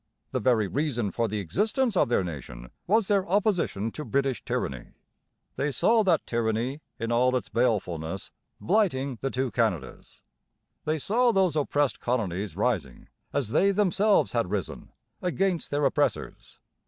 The very reason for the existence of their nation was their opposition to British tyranny. They saw that tyranny in all its balefulness blighting the two Canadas. They saw those oppressed colonies rising, as they themselves had risen, against their oppressors.